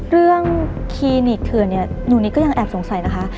เรื่องคีนิกเถือนเนี่ยหนูนิดก็ยังแอบสงสัยนะคะ